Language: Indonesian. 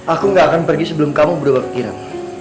aku gak akan pergi sebelum kamu berubah kirim